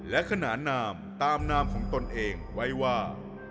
และขนานนามตามนามของตนเองไว้ว่า